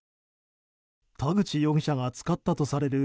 田口容疑者が使ったとされる